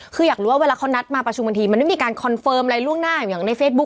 คืออยากรู้ว่าเวลาเขานัดมาประชุมบางทีมันไม่มีการคอนเฟิร์มอะไรล่วงหน้าอย่างในเฟซบุ๊